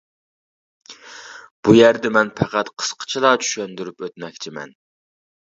بۇ يەردە مەن پەقەت قىسقىچىلا چۈشەندۈرۈپ ئۆتمەكچىمەن.